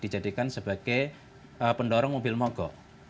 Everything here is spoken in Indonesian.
dijadikan sebagai pendorong mobil mogok